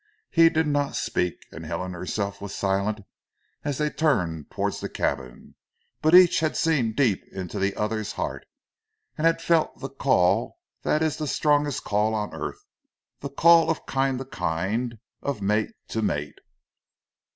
He did not speak, and Helen herself was silent as they turned towards the cabin, but each had seen deep into the other's heart, and had felt the call that is the strongest call on earth, the call of kind to kind, or mate to mate.